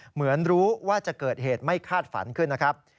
เหมือนรู้ว่าจะเกิดเหตุไม่คาดฝันขึ้นนะครับ